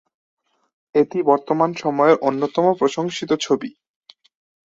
এটি বর্তমান সময়ের অন্যতম প্রশংসিত ছবি।